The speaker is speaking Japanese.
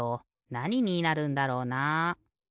なにになるんだろうな？